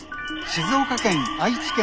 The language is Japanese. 静岡県愛知県